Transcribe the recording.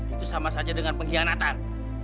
itu sama saja dengan pengkhianatan